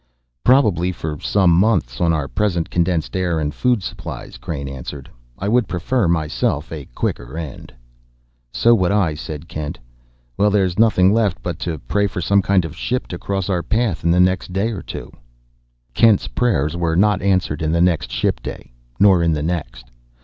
"Probably for some months on our present condensed air and food supplies," Crain answered. "I would prefer, myself, a quicker end." "So would I," said Kent. "Well, there's nothing left but to pray for some kind of ship to cross our path in the next day or two." Kent's prayers were not answered in the next ship day, nor in the next.